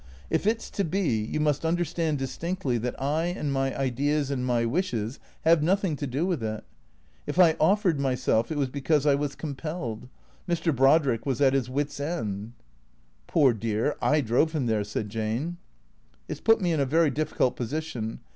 If it 's to be, you must understand distinctly that I and my ideas and my wishes have nothing to do with it. If I offered myself it was because I was compelled. Mr. Brodrick was at his wits' end." ("Poor dear, I drove him there," said Jane.) " It 's put me in a very difficult position.